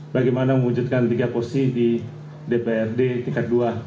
bagaimana mewujudkan tiga posisi di dprd tingkat dua